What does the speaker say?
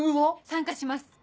参加します